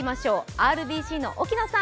ＲＢＣの沖野さん